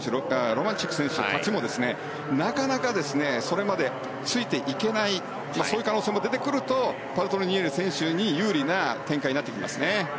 ロマンチュク選手たちもなかなかそれまでついていけないそういう可能性も出てくるとパルトリニエリ選手に有利な展開になってきますね。